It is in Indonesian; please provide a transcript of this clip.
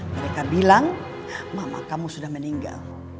mereka bilang mama kamu sudah meninggal